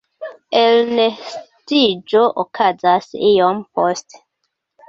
Elnestiĝo okazas iom poste.